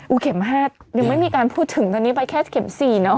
เข็ม๕ยังไม่มีการพูดถึงตอนนี้ไปแค่เข็ม๔เนอะ